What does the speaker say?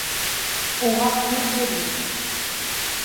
Уға күңелһеҙ ине.